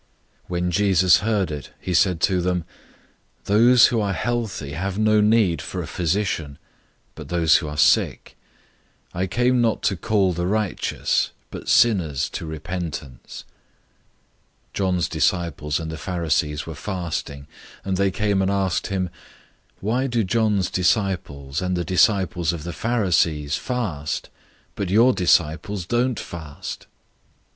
002:017 When Jesus heard it, he said to them, "Those who are healthy have no need for a physician, but those who are sick. I came not to call the righteous, but sinners to repentance." 002:018 John's disciples and the Pharisees were fasting, and they came and asked him, "Why do John's disciples and the disciples of the Pharisees fast, but your disciples don't fast?"